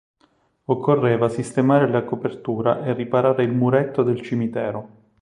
Occorreva sistemare la copertura e riparare il muretto del cimitero.